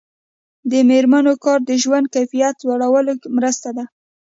د میرمنو کار د ژوند کیفیت لوړولو مرسته ده.